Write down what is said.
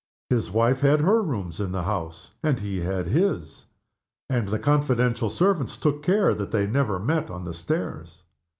His wife had her rooms in the house and he had his, and the confidential servants took care that they never met on the stairs.